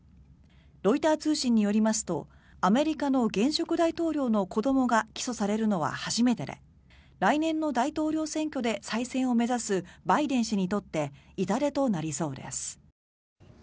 ロイター通信によりますとアメリカの現職大統領の子どもが起訴されるのは初めてで来年の大統領選挙で再選を目指すバイデン氏にとって痛手となりそうです。